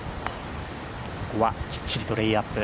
ここはきっちりとレイアップ。